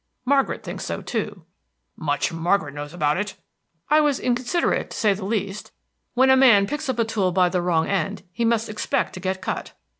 Margaret thinks so too." "Much Margaret knows about it!" "I was inconsiderate, to say the least. When a man picks up a tool by the wrong end he must expect to get cut."